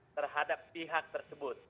terhadap pihak tersebut